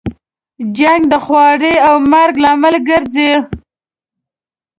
جنګ د خوارۍ او مرګ لامل ګرځي.